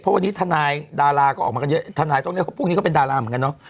เพราะวันนี้ทนายดาราก็ออกมากันเยอะทนายต้องเรียกว่าพวกนี้ก็เป็นดาราเหมือนกันเนาะ